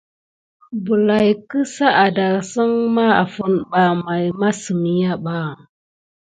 Bəlay sika adasine mà afine ɓa may kusimaya pay.